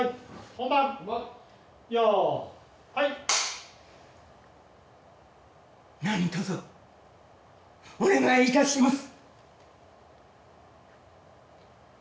本番本番よいはい「何とぞお願いいたします」